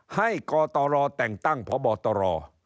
กตรแต่งตั้งพบตร